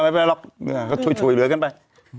เอาไปครับก็ช่วยเหลือกันไป